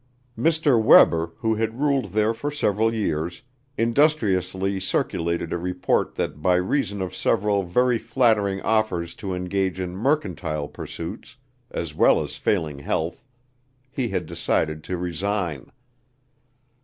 Mr. Webber, who had ruled there for several years, industriously circulated a report that by reason of several very flattering offers to engage in mercantile pursuits, as well as failing health, he had decided to resign.